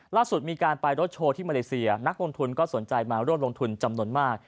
ล่าสุดมีการไปรถโชว์ที่มาเลเซียนักลงทุนก็สนใจมาร่วมลงทุนจำนวนมาก